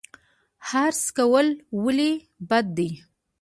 حرص کول ولې بد دي؟